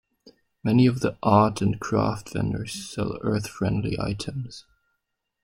Many of the art and craft vendors sell earth-friendly items.